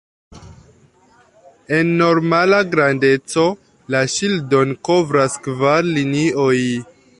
En normala grandeco, la ŝildon kovras kvar linioj.